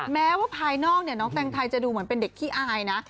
แม้ว่าภายนอกเนี่ยน้องแตงไทยจะดูเหมือนเป็นเด็กขี้อายนะ